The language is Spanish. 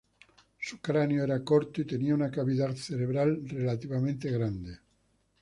Su cráneo era corto y tenía una cavidad cerebral relativamente grande.